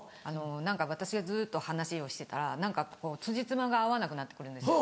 何か私がずっと話をしてたらつじつまが合わなくなって来るんですよ